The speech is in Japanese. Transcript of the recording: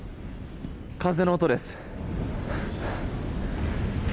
風の音です。